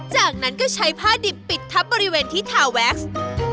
จากนั้นก็ใช้ผ้าดิบปิดทับบริเวณที่ทาแว็กซ์